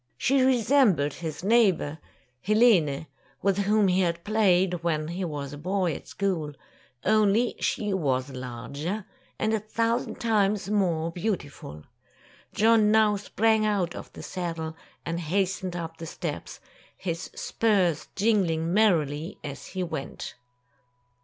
She resembled his neighbor, Helene, with whom he had played, when he was a boy at school; only she was larger, and a thousand times more beautiful. John now sprang out of the saddle, and hastened up the steps, his spurs jingling merrily as he went.